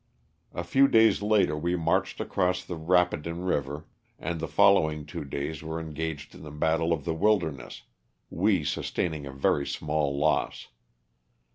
A few days later we marched across the Rapidan river, and the following two days were engaged in the battle of the Wilderness, we sustaining a very small loss.